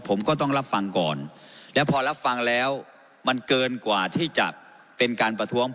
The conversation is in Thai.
ผมก็ต้องรับฟังก่อนและพอรับฟังแล้วมันเกินกว่าที่จะเป็นการประท้วง